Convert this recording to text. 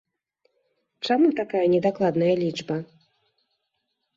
Чаму такая недакладная лічба?